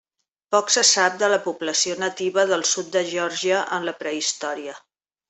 Poc se sap de la població nativa del sud de Geòrgia en la prehistòria.